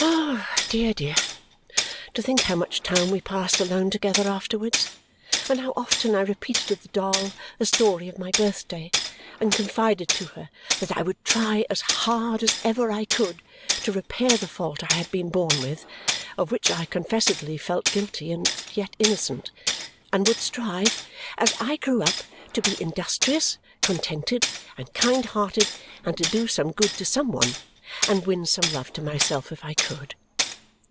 Dear, dear, to think how much time we passed alone together afterwards, and how often I repeated to the doll the story of my birthday and confided to her that I would try as hard as ever I could to repair the fault I had been born with (of which I confessedly felt guilty and yet innocent) and would strive as I grew up to be industrious, contented, and kind hearted and to do some good to some one, and win some love to myself if I could.